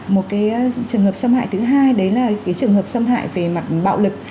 một cái trường hợp xâm hại thứ hai đấy là cái trường hợp xâm hại về mặt bạo lực